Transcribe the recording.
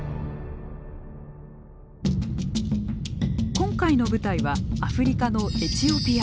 今回の舞台はアフリカのエチオピア。